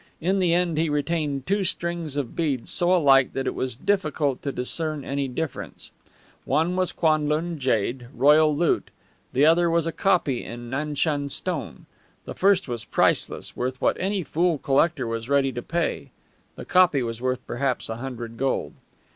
In the end he retained two strings of beads so alike that it was difficult to discern any difference. One was Kwanlun jade, royal loot; the other was a copy in Nanshan stone. The first was priceless, worth what any fool collector was ready to pay; the copy was worth perhaps a hundred gold.